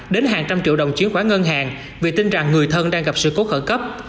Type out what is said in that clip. đến hàng trăm triệu đồng chiến khoán ngân hàng vì tin rằng người thân đang gặp sự cố khẩn cấp